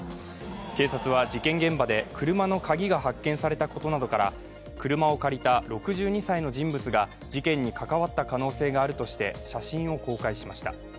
警察は事件現場で車の鍵が発見されたことなどから車を借りた６２歳の人物が事件に関わった可能性があるとして写真を公開しました。